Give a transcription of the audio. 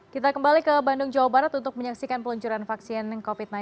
kita kembali ke bandung jawa barat untuk menyaksikan peluncuran vaksin covid sembilan belas